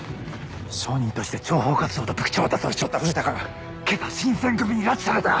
商人として諜報活動と武器調達をしちょった古高が今朝新撰組に拉致された。